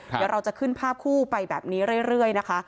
เดี๋ยวเราจะขึ้นภาพคู่ไปแบบนี้เรื่อยนะคะ